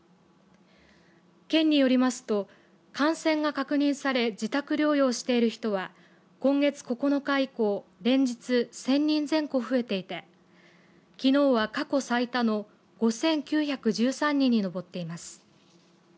県によりますと感染が確認され自宅療養している人は今月９日以降連日１０００人前後増えていてきのうは、過去最多の５９１３人に上っています。